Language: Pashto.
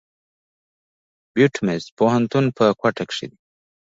بيوټمز پوهنتون په کوټه کښي دی.